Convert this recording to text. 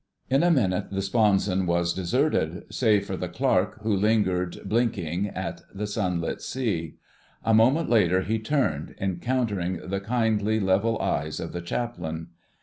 In a minute the sponson was deserted, save for the Clerk who lingered, blinking at the sunlit sea. A moment later he turned, encountering the kindly, level eyes of the Chaplain.